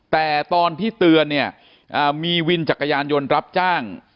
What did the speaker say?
แต่ตอนที่เตือนเนี่ยมีวินจักรยานยนต์รับจ้าง